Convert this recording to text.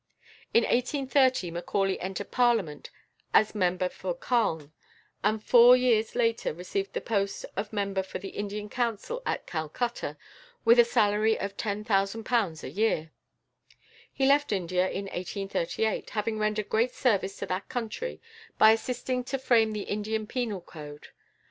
In 1830 Macaulay entered Parliament as member for Calne, and four years later received the post of member of the Indian Council at Calcutta, with a salary of £10,000 a year. He left India in 1838, having rendered great service to that country by assisting to frame the Indian penal code.